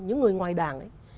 những người ngoài đảng ấy